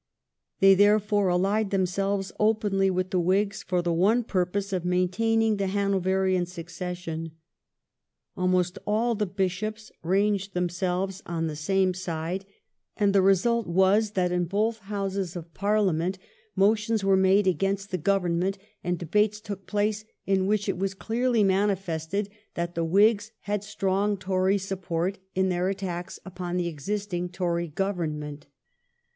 They therefore allied themselves openly with the Whigs for the one purpose of main taining the Hanoverian succession. Almost all the Bishops ranged themselves on the same side, and the 1714 THE QUEEN AND OXFORB. 333 result was that in both Houses of Parhament motions were made against the Government, and debates took place in which it was clearly manifested that the Whigs had strong Tory support in their attacks upon the existing Tory Government.